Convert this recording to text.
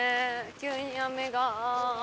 急に雨が。